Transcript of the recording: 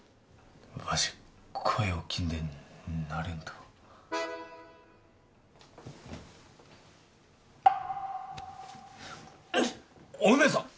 わし声大きいんで慣れんとおお梅さん